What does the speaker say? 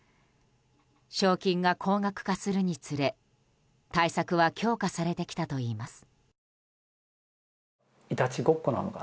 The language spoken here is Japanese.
賞金が高額化するにつれ、対策は強化されてきたといいます。